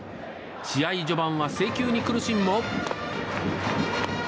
試合序盤は制球に苦しむも。